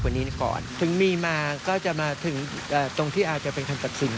วันนี้ก่อนถึงมีมาก็จะมาถึงตรงที่อาจจะเป็นคำตัดสิน